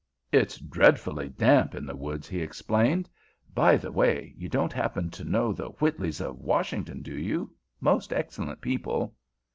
"It's dreadfully damp in the woods," he explained. "By the way, you don't happen to know the Whitleys, of Washington, do you? Most excellent people."